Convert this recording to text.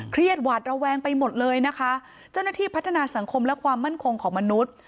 หวาดระแวงไปหมดเลยนะคะเจ้าหน้าที่พัฒนาสังคมและความมั่นคงของมนุษย์